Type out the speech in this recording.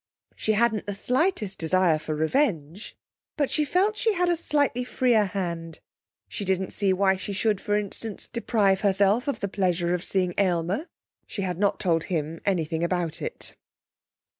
She hadn't the slightest desire for revenge, but she felt she had a slightly freer hand. She didn't see why she should, for instance, deprive herself of the pleasure of seeing Aylmer; she had not told him anything about it.